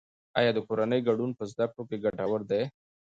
آیا د کورنۍ ګډون په زده کړه کې ګټور دی؟